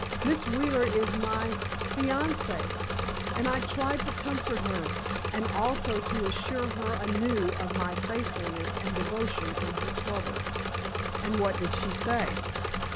Miss Wheeler is my fiancée, and I tried to comfort her, and also to assure her anew of my faithfulness and devotion in her trouble." "And what did she say?"